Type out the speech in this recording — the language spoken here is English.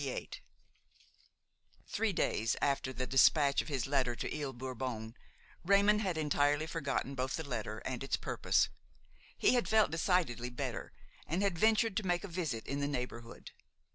XXVIII Three days after the despatch of his letter to Ile Bourbon, Raymon had entirely forgotten both the letter and its purpose. He had felt decidedly better and had ventured to make a visit in the neighborhood.